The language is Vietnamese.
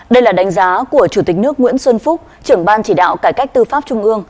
đây là đánh giá của chủ tịch nước nguyễn xuân phúc trưởng ban chỉ đạo cải cách tư pháp trung ương